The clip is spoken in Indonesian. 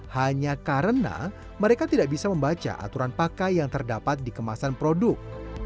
hanya karena mereka tidak bisa membaca aturan pakai yang terdapat di kemasan produk